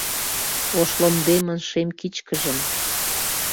Ош ломбемын шем кичкыжым